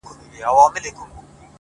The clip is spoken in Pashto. شعرونه نور ورته هيڅ مه ليكه”